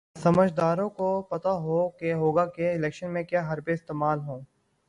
سمجھداروں کو تو پتا ہوگا کہ الیکشن میں کیا حربے استعمال ہوں۔